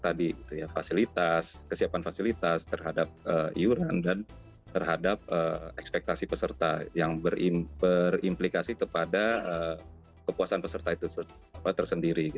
tadi fasilitas kesiapan fasilitas terhadap iuran dan terhadap ekspektasi peserta yang berimplikasi kepada kepuasan peserta itu tersendiri